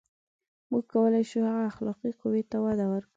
• موږ کولای شو، هغې اخلاقي قوې ته وده ورکړو.